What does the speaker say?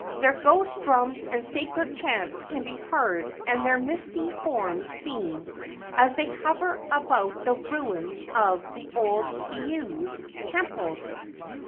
Their ghost drums and sacred chants can be heard and their misty forms seen as they hover about the ruins of the old heiaus (temples)."